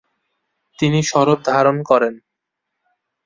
তিনি স্বরূপ ধারণ করেন।